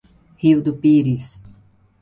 Rio do Pires